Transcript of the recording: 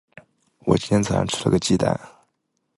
我今天早上吃了一个鸡蛋。